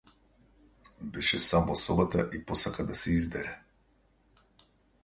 Беше сам во собата, и посака да се издере.